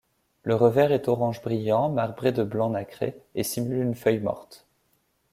Le revers est orange brillant marbré de blanc nacré et simule une feuille morte.